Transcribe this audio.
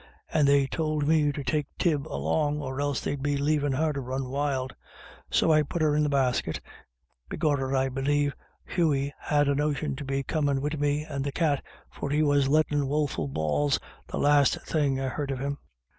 And they tould me to take Tib along, or else they'd be lavin' her to run wild ; so I put her in the basket. Begorrah, I believe Hughey had a notion to be comin* wid me and the cat, for he was lettin' woful bawls the last thing I heard of him.